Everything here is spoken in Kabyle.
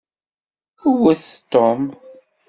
Wet Tom!